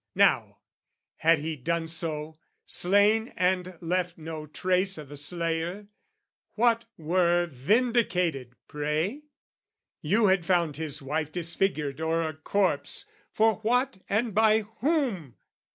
Now, had he done so, slain and left no trace O' the slayer, what were vindicated, pray? You had found his wife disfigured or a corpse, For what and by whom?